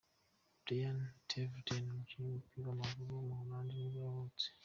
Brian Tevreden, umukinnyi w’umupira w’amaguru w’umuholandi nibwo yavutse.